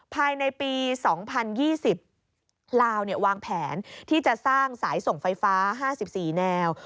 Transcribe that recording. ภายในปี๒๐๒๐ลาววางแผนที่จะสร้างสายส่งไฟฟ้า๕๔แนว